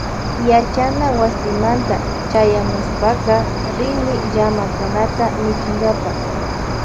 Yachana wasimanta chayamushpaka rini llamakunata michinkapa.